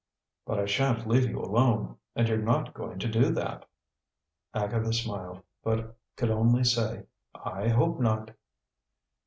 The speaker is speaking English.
"But I shan't leave you alone, and you're not going to do that!" Agatha smiled, but could only say, "I hope not!"